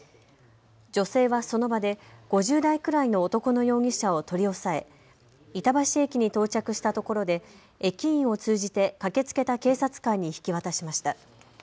女性はその場で５０代くらいの男の容疑者を取り押さえ板橋駅に到着したところで駅員を通じて駆けつけた警察官に引き渡しました。